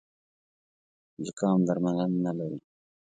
زوکام درملنه نه لري